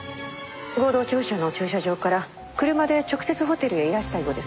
合同庁舎の駐車場から車で直接ホテルへいらしたようですから。